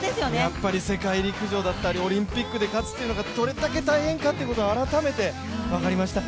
やっぱり世界陸上だったりオリンピックで勝つということがどれだけ大変かということを改めて分かりましたね。